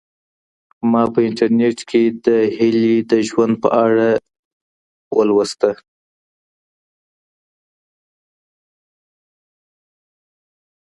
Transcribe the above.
ما په انټرنیټ کي د هیلې د ژوند په اړه ولوسهمېشه.